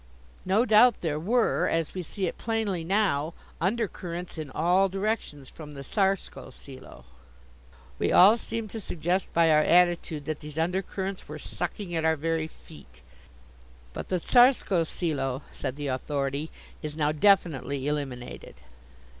"No doubt there were, as we see it plainly now, under currents in all directions from the Tsarskoe Selo." We all seemed to suggest by our attitude that these undercurrents were sucking at our very feet. "But the Tsarskoe Selo," said the Authority, "is now definitely eliminated."